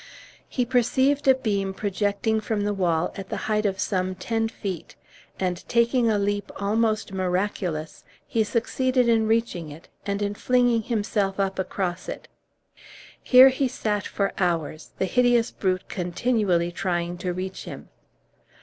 He perceived a beam projecting from the wall at the height of some ten feet, and, taking a leap almost miraculous, he succeeded in reaching it, and in flinging himself up across it. Here he sat for hours, the hideous brute continually trying to reach him.